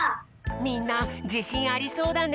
みんなじしんありそうだね。